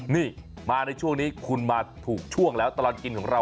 นี่มาในช่วงนี้คุณมาถูกช่วงแล้วตลอดกินของเรา